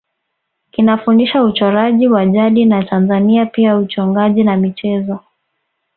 Kinafundisha uchoraji wa jadi wa Tanzania pia uchongaji na michezo